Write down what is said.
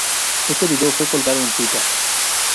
Este vídeo fue colgado en Twitter.